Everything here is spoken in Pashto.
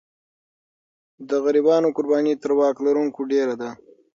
د غریبانو قرباني تر واک لرونکو ډېره ده.